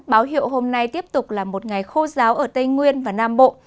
báo hiệu hôm nay tiếp tục là một ngày khô giáo ở tây nguyên và nam bộ